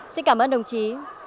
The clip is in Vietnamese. xin cảm ơn đồng chí